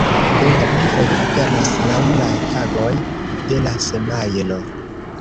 Do la lingvoj aperas laŭ la tagoj de la semajno.